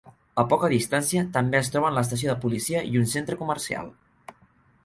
A poca distància també es troben l'estació de policia i un centre comercial.